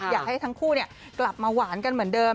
อยากให้ทั้งคู่กลับมาหวานกันเหมือนเดิม